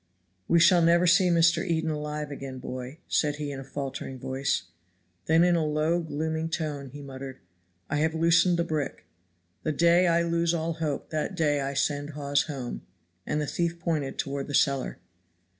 "We shall never see Mr. Eden alive again, boy," said he in a faltering voice. Then in a low gloomy tone he muttered, "I have loosened the brick. The day I lose all hope that day I send Hawes home." And the thief pointed toward the cellar.